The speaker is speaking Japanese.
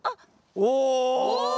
お！